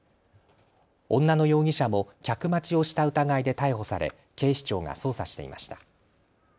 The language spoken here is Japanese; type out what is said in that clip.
女の容疑者も客待ちをした疑いで逮捕され警視庁が捜査していました。